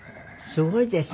すごいですね。